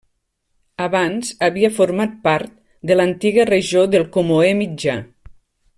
Abans havia format part de l'antiga regió del Comoé Mitjà.